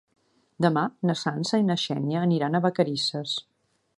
Demà na Sança i na Xènia aniran a Vacarisses.